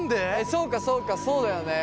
そうかそうかそうだよね。